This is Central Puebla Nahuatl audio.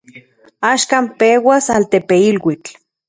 Axkan peuas altepeiluitl.